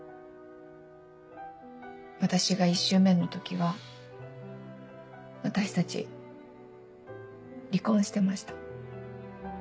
私が１周目の時は私たち離婚してました。